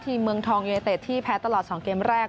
ทีมเมืองทองเยเทศที่แพ้ตลอด๒เกมแรก